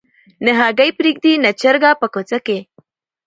نه هګۍ پرېږدي نه چرګه په کوڅه کي